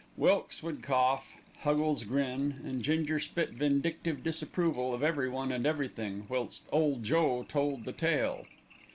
Wilkes would cough, Huggles grin, and Ginger spit vindictive disapproval of everyone and everything, whilst "Ole Joe told the tale."